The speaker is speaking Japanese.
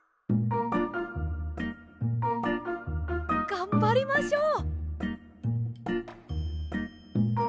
がんばりましょう！